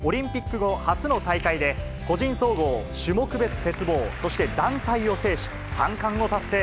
一躍、時の人となった橋本選手は先週、オリンピック後初の大会で、個人総合種目別鉄棒、そして団体を制し、３冠を達成。